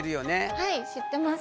はい知ってます。